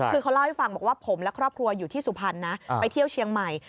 คือเขาเล่าให้ฟังบอกว่าผมและครอบครัวอยู่ที่สุพรรณนะไปเที่ยวเชียงใหม่